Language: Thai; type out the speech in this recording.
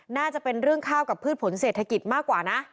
น่าจะเป็นเรื่องข้าวกับพืชผลเศรษฐกิจมากกว่านะ